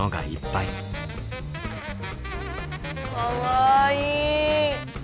かわいい。